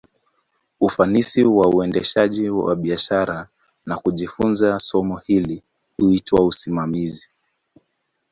Ufanisi wa uendeshaji wa biashara, na kujifunza somo hili, huitwa usimamizi.